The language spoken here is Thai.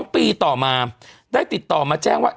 ๒ปีต่อมาได้ติดต่อมาแจ้งว่า